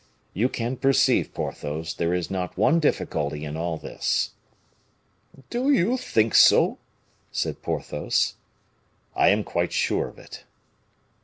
You can perceive, Porthos, there is not one difficulty in all this." "Do you think so?" said Porthos. "I am quite sure of it."